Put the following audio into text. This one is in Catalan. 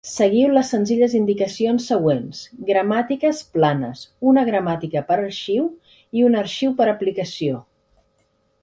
Seguiu les senzilles indicacions següents: gramàtiques planes, una gramàtica per arxiu i un arxiu per aplicació.